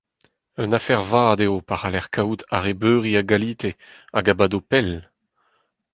Un afer vat eo pa c'haller kaout arrebeuri a galite, hag a bado pell.